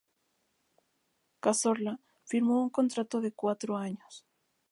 Cazorla firmó un contrato de cuatro años.